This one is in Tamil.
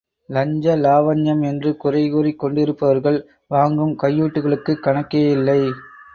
லஞ்ச லாவண்யம் என்று குறைகூறிக் கொண்டிருப்பவர்கள் வாங்கும் கையூட்டுகளுக்குக் கணக்கே இல்லை!